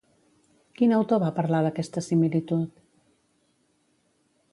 Quin autor va parlar d'aquesta similitud?